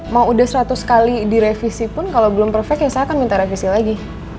mau udah seratus kali direvisi pun kalau belum perfect ya saya akan minta revisi lagi